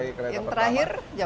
yang terakhir jam berapa